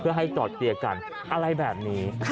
เพื่อให้จอดเคลียร์กันอะไรแบบนี้